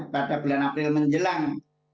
pada bulan april menjelang